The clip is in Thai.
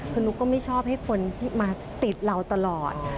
คือนุ๊กก็ไม่ชอบให้คนที่มาติดเราตลอด